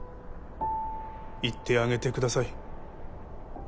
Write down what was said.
行ってあげてください。